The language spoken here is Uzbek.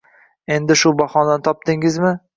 Endi, shu bahonani topdingizmi?